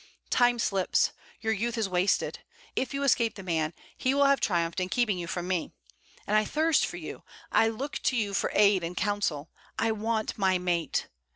'Time slips. Your youth is wasted. If you escape the man, he will have triumphed in keeping you from me. And I thirst for you; I look to you for aid and counsel; I want my mate.